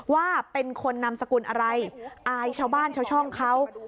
ว่าเป็นคนนำสกุลอะไรอายชาวบ้านชาวช่องเขา